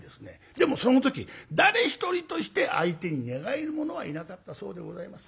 でもその時誰一人として相手に寝返る者はいなかったそうでございます。